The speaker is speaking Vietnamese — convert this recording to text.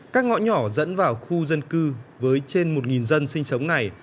các ngõ nhỏ dẫn vào khu dân cư với trên một dân sinh sống này